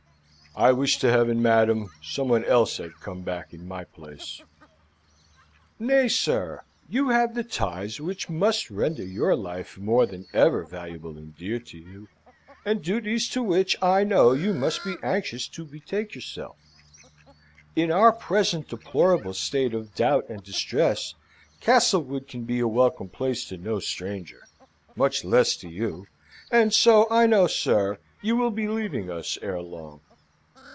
"I wish to Heaven, madam, some one else had come back in my place!" "Nay, sir, you have ties which must render your life more than ever valuable and dear to you, and duties to which, I know, you must be anxious to betake yourself. In our present deplorable state of doubt and distress, Castlewood can be a welcome place to no stranger, much less to you, and so I know, sir, you will be for leaving us ere long.